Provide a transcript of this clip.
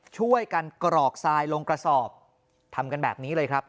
ช่วยกันกรอกทรายลงกระสอบทำกันแบบนี้เลยครับ